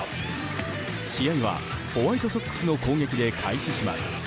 試合は、ホワイトソックスの攻撃で開始します。